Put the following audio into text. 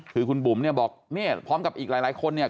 คือคุณบุ๋มเนี่ยบอกเนี่ยพร้อมกับอีกหลายคนเนี่ย